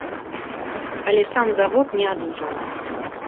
Але сам завод не адужаў.